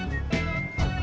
jadi orang bisa